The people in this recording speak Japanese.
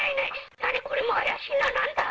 何、これも怪しいな、なんだ？